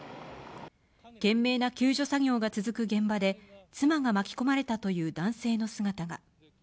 懸命な救助作業が続く現場で妻が巻き込まれたという男性の姿が。